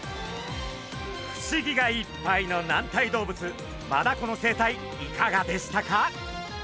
不思議がいっぱいの軟体動物マダコの生態いかがでしたか？